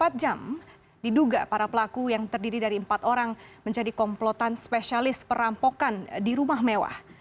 saat jam diduga para pelaku yang terdiri dari empat orang menjadi komplotan spesialis perampokan di rumah mewah